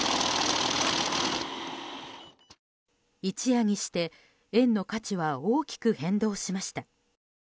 一夜にして円の価値は大きく変動しました。